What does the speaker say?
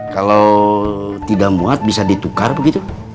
kalau tidak muat bisa ditukar begitu